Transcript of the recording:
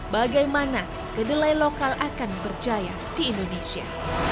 bagaimana kedelai lokal akan berjaya di indonesia